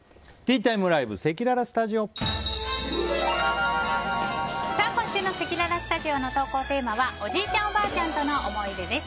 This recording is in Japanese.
誕生今週のせきららスタジオの投稿テーマはおじいちゃん・おばあちゃんとの思い出です。